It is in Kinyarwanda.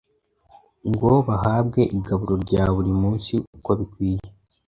ngo bahabwe igaburo rya buri munsi uko bikwiye.”